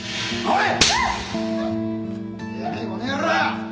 おい！